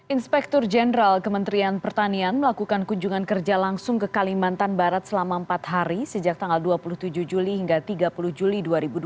inspektur jenderal kementerian pertanian melakukan kunjungan kerja langsung ke kalimantan barat selama empat hari sejak tanggal dua puluh tujuh juli hingga tiga puluh juli dua ribu dua puluh